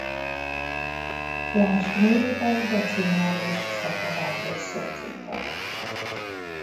Lásd még a decimális szeparátor szócikket.